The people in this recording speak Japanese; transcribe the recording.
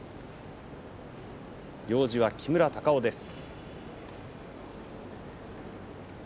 行司は木村隆男です。